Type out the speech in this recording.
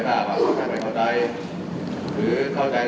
หรือเข้าใจอย่างของแท้แล้วเนี่ยก็ไม่อยากถามไม่อยากจะดูอะไรอีกทั้งสิทธิ์